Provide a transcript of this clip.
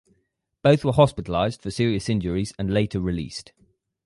Both were hospitalized for serious injuries and later released.